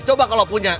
coba kalau punya